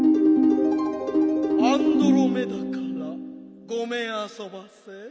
アンドロメダからごめんあそばせ。